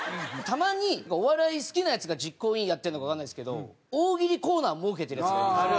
たまにお笑い好きなヤツが実行委員やってるのかわかんないですけど大喜利コーナー設けてるヤツがいるんですよ。